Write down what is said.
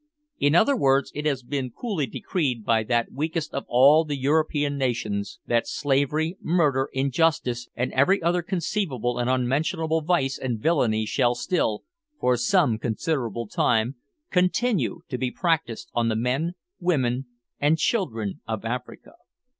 In other words, it has been coolly decreed by that weakest of all the European nations, that slavery, murder, injustice, and every other conceivable and unmentionable vice and villainy shall still, for some considerable time, continue to be practised on the men, women, and children of Africa!